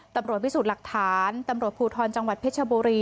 ตำรวจพิสูจน์หลักฐานตำรวจภูทรจังหวัดเพชรบุรี